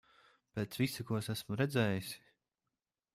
Pēc visa, ko es esmu redzējusi...